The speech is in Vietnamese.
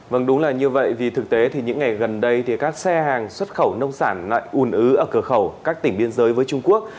vâng đúng là như vậy vì thực tế thì những ngày gần đây thì các xe hàng xuất khẩu nông sản lại ùn ứ ở cửa khẩu các tỉnh biên giới với trung quốc